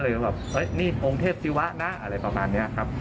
แบบนี่องค์เทพศิวะนะอะไรประมาณนี้ครับ